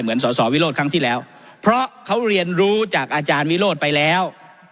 สอสอวิโรธครั้งที่แล้วเพราะเขาเรียนรู้จากอาจารย์วิโรธไปแล้ว